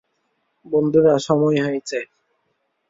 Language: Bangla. বন্ধুরা, সময় হয়েছে।